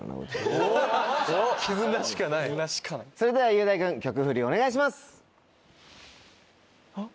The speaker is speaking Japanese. それでは雄大君曲フリお願いします！